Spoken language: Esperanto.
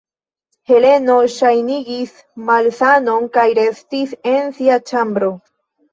Heleno ŝajnigis malsanon kaj restis en sia ĉambro.